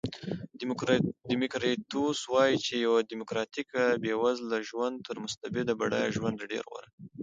دیموکریتوس وایي چې یو دیموکراتیک بېوزله ژوند تر مستبد بډایه ژوند ډېر غوره دی.